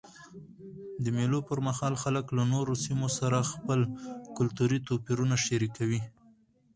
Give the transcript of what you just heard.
د مېلو پر مهال خلک له نورو سیمو سره خپل کلتوري توپیرونه شریکوي.